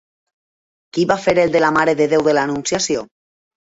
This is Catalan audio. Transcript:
Qui va fer el de la Mare de Déu de l'Anunciació?